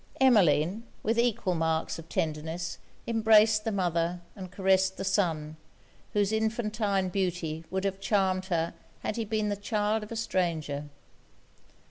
Emmeline, with equal marks of tenderness, embraced the mother and caressed the son, whose infantine beauty would have charmed her had he been the child of a stranger.